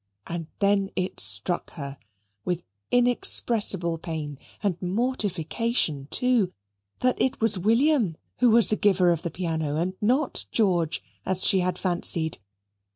And then it struck her, with inexpressible pain and mortification too, that it was William who was the giver of the piano, and not George, as she had fancied.